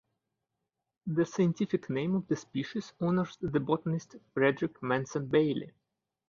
The scientific name of the species honours the botanist Frederick Manson Bailey.